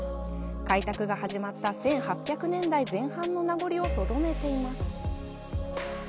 開拓が始まった１８００年代前半の名残をとどめています。